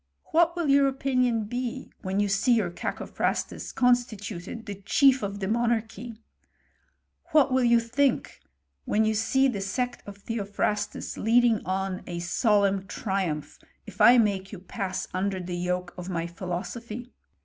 " What will your opinion be when you see youf Cacophrastus constituted the chief of the monarchy ? What will you think when you see the sect of Theo* phrastus leading on a solemn triumph, if I make yon pass under the yoke of my philosophy